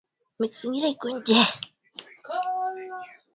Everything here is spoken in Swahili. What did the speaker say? Rwanda sasa inataka Jamhuri ya kidemokrasia ya Kongo